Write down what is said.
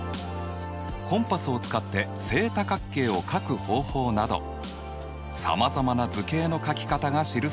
コンパスを使って正多角形を書く方法などさまざまな図形の書き方が記されているよ。